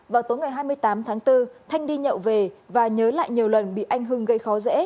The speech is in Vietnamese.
vào tối ngày hai mươi tám tháng bốn thanh đi nhậu về và nhớ lại nhiều lần bị anh hưng gây khó dễ